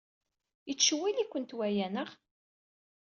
Yettcewwil-ikent waya, anaɣ?